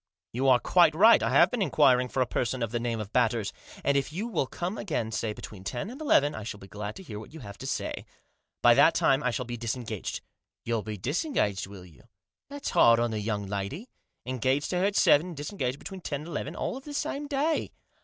" You are quite right, I have been inquiring for a person of the name of Batters. And if you will come again, say, between ten and eleven, I shall be glad to hear what you have to say. By that time I shall be disengaged." " You'll be disengaged, will you ? That's hard on the young lady. Engaged to her at seven, and dis engaged between ten and eleven, all of the same day."